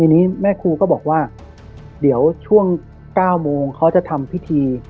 ทีนี้แม่ครูก็บอกว่าเดี๋ยวช่วง๙โมงเขาจะทำพิธี